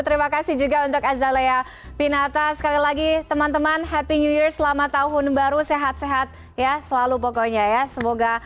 terima kasih juga untuk azalea pinata sekali lagi teman teman happy new year selamat tahun baru sehat sehat ya selalu pokoknya ya